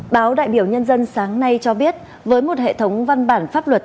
báo đại biểu nhân dân sáng nay cho biết với một hệ thống văn bản pháp luật